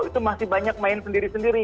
itu masih banyak main sendiri sendiri